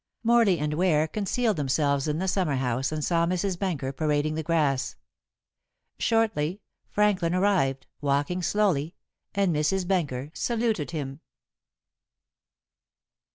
Morley and Ware concealed themselves in the summer house and saw Mrs. Benker parading the grass. Shortly Franklin arrived, walking slowly, and Mrs. Benker saluted him.